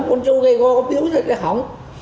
mà con trâu gây gói có biếu sẽ khóng